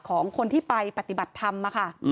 ของคนที่ไปปฏิบัติธรรมค่ะ